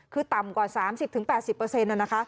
คือต่ำกว่า๓๐๘๐เปอร์เซ็นต์